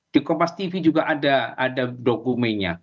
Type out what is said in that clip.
di kompas tv juga ada dokumennya